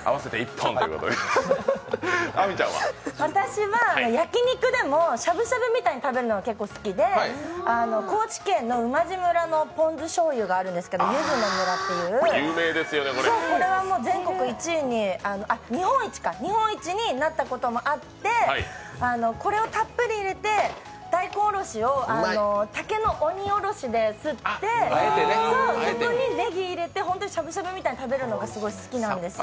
私は焼き肉でもしゃぶしゃぶみたいに食べるのが結構好きで高知県の馬路村のぽん酢しょうゆがあるんですけど、ゆずの村っていう、これはもう日本一になったこともあって、これをたっぷり入れて大根おろしを竹の鬼おろしですってそこにねぎ入れてしゃぶしゃぶみたいに食べるのが好きなんですよ。